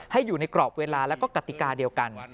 ให้อยู่ในกรอบเวลาแล้วก็กติกาเดียวกัน